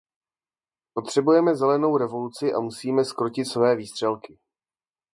Potřebujeme zelenou revoluci a musíme zkrotit své výstřelky.